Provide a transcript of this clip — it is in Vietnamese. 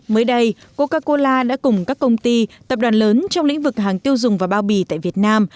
mới đây coca cola đã cùng các công ty tập đoàn lớn trong lĩnh vực hàng tiêu dùng và bao bì tại việt nam